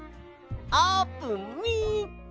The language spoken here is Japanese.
あーぷんみっけ！